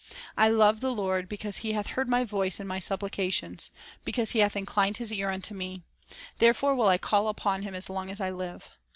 " I love the Lord, because He hath heard my voice and my supplications. Because He hath inclined His ear unto me, Therefore will I call upon Him as long as I live.